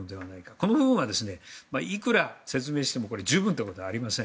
この部分はいくら説明しても十分ということはありません。